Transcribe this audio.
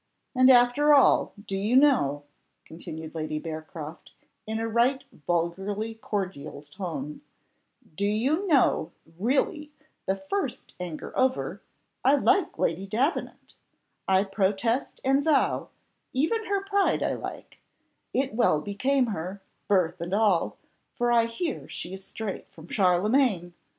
And after all, do you know," continued Lady Bearcroft in a right vulgarly cordial tone "Do you know now, really, the first anger over, I like Lady Davenant I protest and vow, even her pride I like it well became her birth and all, for I hear she is straight from Charlemagne!